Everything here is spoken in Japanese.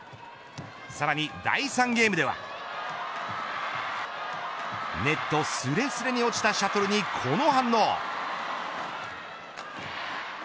さらに第３ゲームではネットすれすれに落ちたシャトルにこの反応。